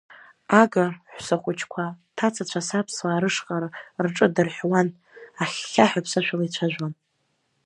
Агыр ҳәсахәыҷқәа ҭацацәас аԥсуаа рышҟа рҿы дырҳәуан, ахьхьаҳәа аԥсышәала ицәажәон.